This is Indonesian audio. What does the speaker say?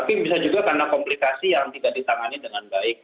tapi bisa juga karena komplikasi yang tidak ditangani dengan baik